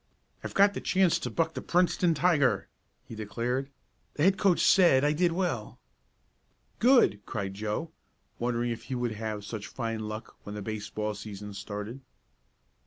"I've got a chance to buck the Princeton tiger!" he declared. "The head coach said I did well!" "Good!" cried Joe, wondering if he would have such fine luck when the baseball season started.